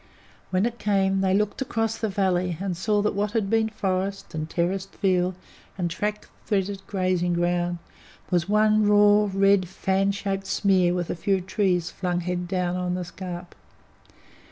When it came they looked across the valley and saw that what had been forest, and terraced field, and track threaded grazing ground was one raw, red, fan shaped smear, with a few trees flung head down on the scarp.